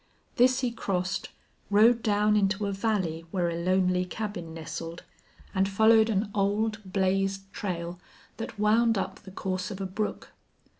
This he crossed, rode down into a valley where a lonely cabin nestled, and followed an old, blazed trail that wound up the course of a brook.